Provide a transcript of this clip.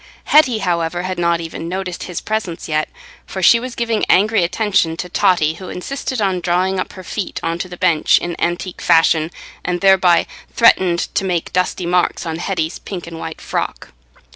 Hetty, however, had not even noticed his presence yet, for she was giving angry attention to Totty, who insisted on drawing up her feet on to the bench in antique fashion, and thereby threatened to make dusty marks on Hetty's pink and white frock.